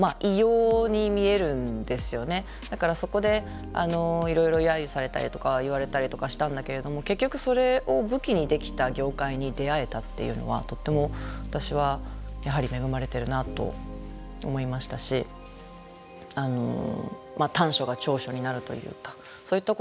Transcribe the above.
だからそこでいろいろ揶揄されたりとか言われたりとかしたんだけれども結局それを武器にできた業界に出会えたっていうのはとっても私はやはり恵まれてるなと思いましたし短所が長所になるというかそういったこともあり得る話なので。